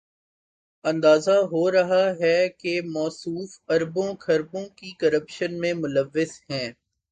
اندازہ ہو رہا ہے کہ موصوف اربوں، کھربوں کی کرپشن میں ملوث ہیں۔